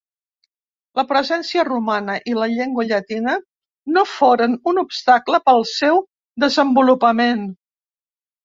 La presència romana i la llengua llatina no foren un obstacle per al seu desenvolupament.